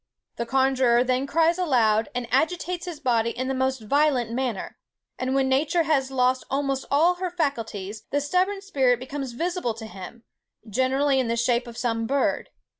The conjuror then cries aloud, and agitates his body in the most violent manner; and when nature has lost almost all her faculties, the stubborn spirit becomes visible to him, generally in the shape of some bird.